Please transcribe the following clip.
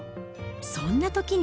そんなときに。